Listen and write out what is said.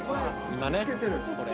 今ねこれ。